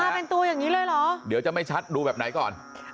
เป็นตัวอย่างนี้เลยเหรอเดี๋ยวจะไม่ชัดดูแบบไหนก่อน